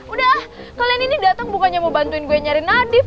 udah ah kalian ini dateng bukannya mau bantuin gue nyari nadif